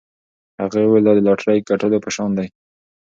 هغې وویل دا د لاټرۍ ګټلو په شان دی.